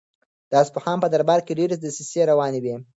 د اصفهان په دربار کې ډېرې دسیسې روانې وې.